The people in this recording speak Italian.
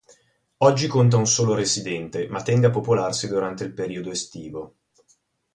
Oggi conta un solo residente ma tende a popolarsi durante il periodo estivo.